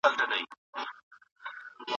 تاسي ولي دغه نجلۍ بېدوئ؟